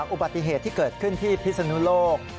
อุบัติเหตุที่เกิดขึ้นที่พิศนุโลก